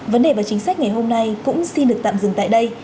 vấn đề và chính sách ngày hôm nay cũng xin được tạm dừng tại đây